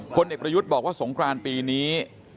เด็กประยุทธ์บอกว่าสงครานปีนี้